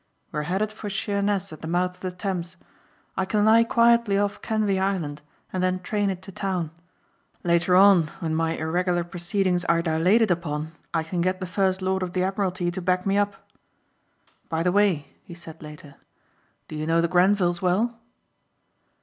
"We're headed for Sheerness at the mouth of the Thames. I can lie quietly off Canvey Island and then train it to town. Later on when my irregular proceedings are dilated upon I can get the First Lord of the Admiralty to back me up. By the way," he said later, "Do you know the Grenvils well?"